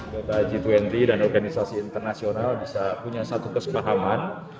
bapak g dua puluh dan organisasi internasional bisa punya satu kesepahaman